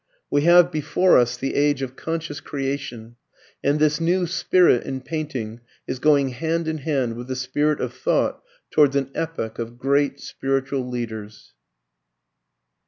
We have before us the age of conscious creation, and this new spirit in painting is going hand in hand with the spirit of thought towards an epoch of great spiritual leaders.